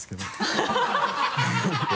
ハハハ